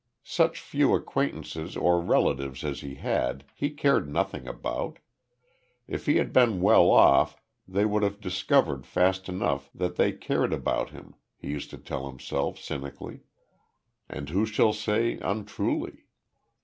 Such few acquaintances or relatives as he had he cared nothing about. If he had been well off they would have discovered fast enough that they cared about him, he used to tell himself cynically; and who shall say untruly.